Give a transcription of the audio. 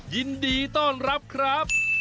ยินดีต้อนรับครับ